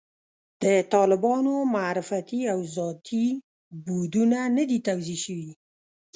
د طالبانو معرفتي او ذاتي بعدونه نه دي توضیح شوي.